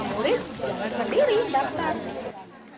murid sendiri mendaftar